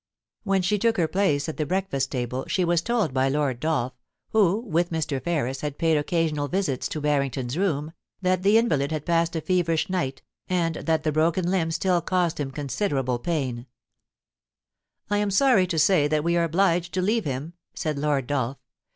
When she took her place at the breakfast table, she was told by Lord Dolph, who, with Mr. Ferris, had paid occa sional visits to Harrington's room, that the invalid had passed a feverish night, and that the broken limb still caused him considerable paia * I am sorry to say that we are obliged to leave him,' said Lord Dolph.